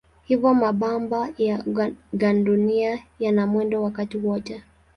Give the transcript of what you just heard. Hivyo mabamba ya gandunia yana mwendo wakati wote.